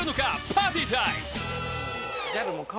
パーティータイム！